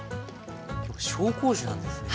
紹興酒なんですね。